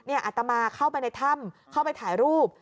อาตมาเข้าไปในถ้ำเข้าไปถ่ายรูป